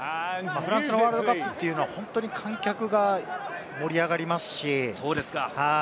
フランスのワールドカップは、本当に観客が盛り上がりますし。